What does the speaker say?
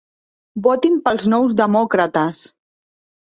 Votin pels Nous Demòcrates!